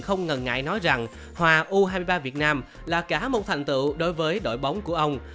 không ngần ngại nói rằng hòa u hai mươi ba việt nam là cả một thành tựu đối với đội bóng của ông